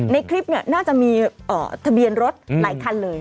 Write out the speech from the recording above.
ในคลิปน่าจะมีทะเบียนรถหลายคันเลย